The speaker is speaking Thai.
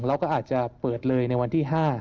เราก็อาจจะเปิดเลยในวันที่๕